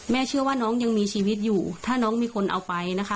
เชื่อว่าน้องยังมีชีวิตอยู่ถ้าน้องมีคนเอาไปนะคะ